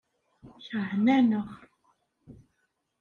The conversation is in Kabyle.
Keṛhen-aneɣ.